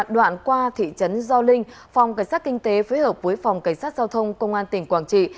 đoạn qua thị trấn gio linh phòng cảnh sát kinh tế phối hợp với phòng cảnh sát giao thông công an tỉnh quảng trị